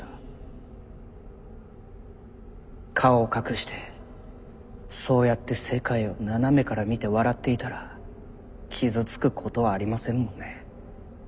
顔を隠してそうやって世界を斜めから見て笑っていたら傷つくことはありませんもんね。